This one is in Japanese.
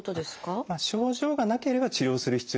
症状がなければ治療する必要はありません。